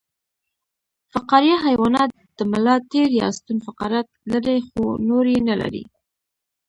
فقاریه حیوانات د ملا تیر یا ستون فقرات لري خو نور یې نلري